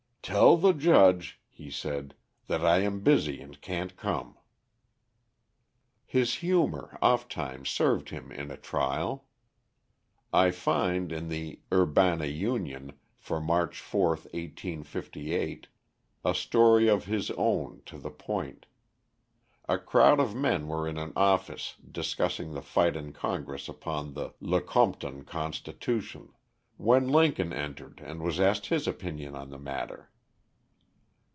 "Tell the Judge," he said, "that I am busy and can't come". His humor oft times served him in a trial. I find in the "Urbana Union" for March, 4, 1858, a story of his own, to the point. A crowd of men were in an office discussing the fight in Congress upon the "Lecompton Constitution", when Lincoln entered and was asked his opinion on the matter.